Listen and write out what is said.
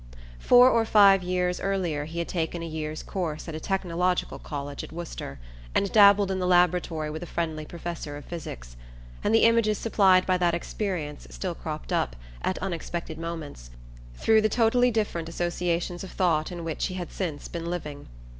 Four or five years earlier he had taken a year's course at a technological college at Worcester, and dabbled in the laboratory with a friendly professor of physics; and the images supplied by that experience still cropped up, at unexpected moments, through the totally different associations of thought in which he had since been living.